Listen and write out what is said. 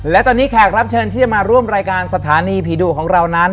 และตอนนี้แขกรับเชิญที่จะมาร่วมรายการสถานีผีดุของเรานั้น